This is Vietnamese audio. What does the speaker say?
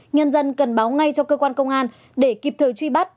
nhân dân cần báo ngay cho cơ quan công an để kịp thời truy bắt